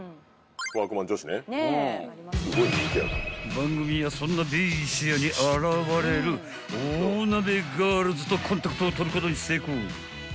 ［番組はそんなベイシアに現れる大鍋ガールズとコンタクトを取ることに成功］